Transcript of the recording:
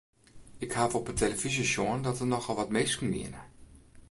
Ik haw op 'e telefyzje sjoen dat der nochal wat minsken wiene.